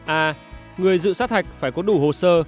a người dự sát hạch phải có đủ hồ sơ